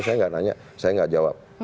saya tidak nanya saya tidak jawab